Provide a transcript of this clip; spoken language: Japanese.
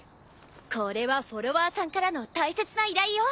これはフォロワーさんからの大切な依頼よ。